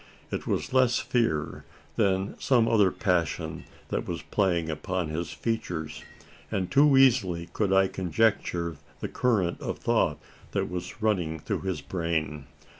It was less fear than some other passion that was playing upon his features; and too easily could I conjecture the current of thought that was running through his brain.